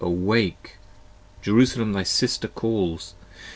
awake! Jerusalem thy Sister calls!